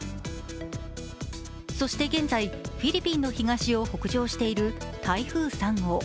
そして現在、フィリピンの東を北上している台風３号。